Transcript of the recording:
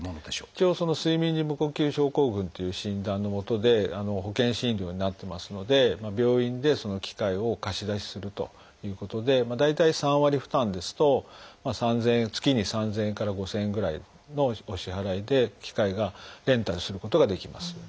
一応睡眠時無呼吸症候群っていう診断のもとで保険診療になってますので病院でその機械を貸し出しするということで大体３割負担ですと月に３，０００円から５，０００円ぐらいのお支払いで機械がレンタルすることができます。